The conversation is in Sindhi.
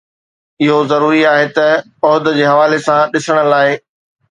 اهو ضروري آهي ته عهد جي حوالي سان ڏسڻ لاء